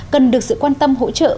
cần được sự quan tâm hỗ trợ